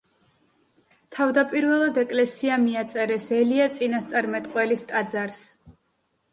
თავდაპირველად ეკლესია მიაწერეს ელია წინასწარმეტყველის ტაძარს.